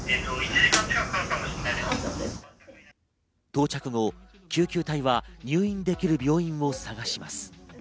到着後、救急隊は入院できる病院を探します。